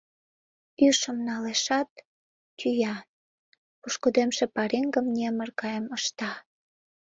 Ӱшым налешат, тӱя, пушкыдемше пареҥгым немыр гайым ышта.